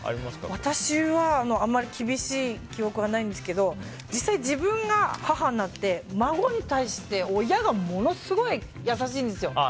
私は、あんまり厳しい記憶はないんですけど実際、自分が母になって孫に対して親がものすごい優しいんですよ。